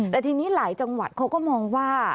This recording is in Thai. แต่ทีนี้หลายจังหวัดเขาก็มองว่า